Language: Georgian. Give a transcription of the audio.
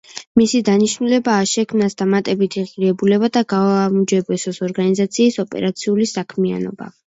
მისი დანიშნულებაა შექმნას დამატებითი ღირებულება და გააუმჯობესოს ორგანიზაციის ოპერაციული საქმიანობა.